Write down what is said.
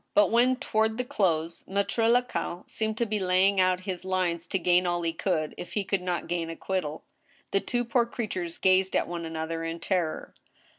But when, toward the close, Maitre Lacaille seemed to be laying out his lines to gain all he could, if he could not gain acquittal, the two poor creatures gazed at one another in terror.